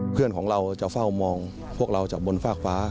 เพื่อนของเราจะเฝ้ามองพวกเราจากบนฟากฟ้า